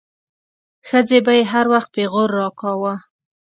ښځې به يې هر وخت پيغور راکاوه.